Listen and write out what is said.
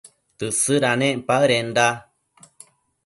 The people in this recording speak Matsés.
Tësëdanec paëdenda